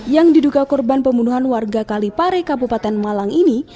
yang diduga korban pembunuhan warga kalipare kabupaten malang ini